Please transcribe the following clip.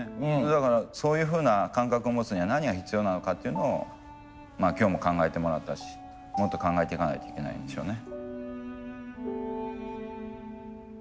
だからそういうふうな感覚を持つには何が必要なのかっていうのを今日も考えてもらったしもっと考えていかないといけないんでしょうね。